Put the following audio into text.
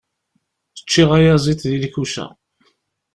Ččiɣ ayaziḍ di lkuca.